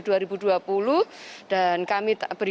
dan kami berikan target untuk pak jokowi